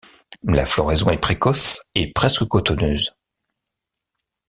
La floraison est précoce et presque cotonneuse.